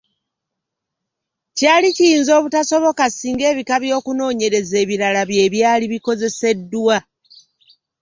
Kyali kiyinza obutasoboka singa ebika by’okunoonyereza ebirala bye byali bikozeseddwa.